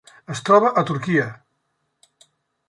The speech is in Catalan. Es troba a Turquia.